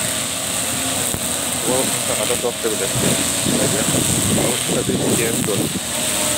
Уол саҥата суох сөбүлэспит, Мөрүөн: «Ол сатыы ситиэҥ дуо